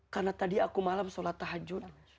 karena tadi aku malam sholat tahajud